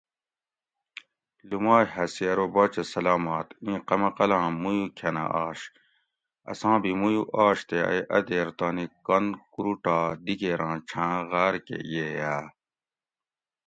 لومائ ھسی ارو باچہ سلامٰت ایں قمقلاں مویو کۤھنہ آش؟ اساں بھی مویو آش تے ائ اۤ دیر تانی کن کوروٹا دیگیراں چھاں غاۤر کہۤ یِئ آ ؟